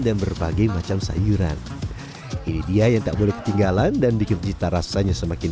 dan berbagai macam sayuran ini dia yang tak boleh ketinggalan dan dikerjakan rasanya semakin